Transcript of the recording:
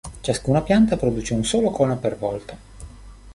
Ciascuna pianta produce un solo cono per volta.